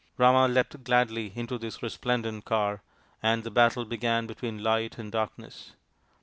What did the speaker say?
Rama leapt gladly into this resplendent car, and the battle began between Light and Darkness.